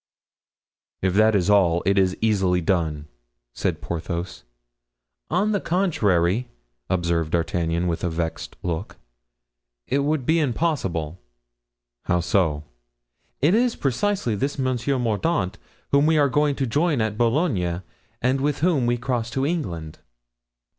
"If that is all, it is easily done," said Porthos. "On the contrary," observed D'Artagnan, with a vexed look; "it would be impossible." "How so?" "It is precisely this Monsieur Mordaunt whom we are going to join at Boulogne and with whom we cross to England."